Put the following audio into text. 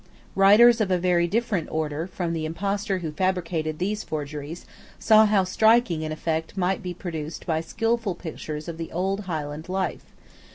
Writers of a very different order from the impostor who fabricated these forgeries saw how striking an effect might be produced by skilful pictures of the old Highland life.